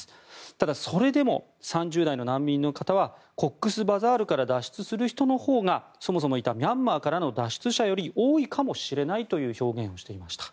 ただ、それでも３０代の難民の方はコックスバザールから脱出する人のほうがそもそもいたミャンマーの脱出者より多いかもしれないという表現をしていました。